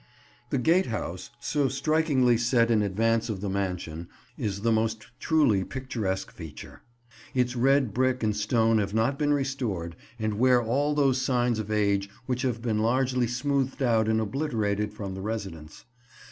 The gatehouse, so strikingly set in advance of the mansion, is the most truly picturesque feature. Its red brick and stone have not been restored, and wear all those signs of age which have been largely smoothed out and obliterated from the residence.